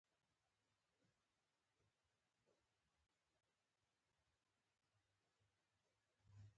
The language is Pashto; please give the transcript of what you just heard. لیکنه او راټولونه: شکېبا نادري